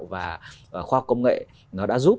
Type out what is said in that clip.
và khoa học công nghệ nó đã giúp